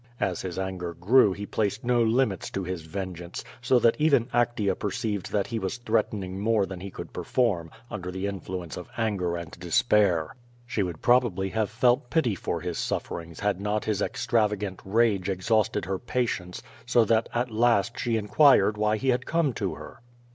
As his anger grew he placed no limits to his vengeance, so that even Actea perceived that he was threatening more than he could perform, under the influence of anger and QVO VADI8. 95 despair. She would probably have felt pity for his sufferings had not his extravagant rage exhausted her patience, so that at last she inquired why he had come to her.